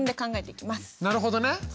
なるほどね。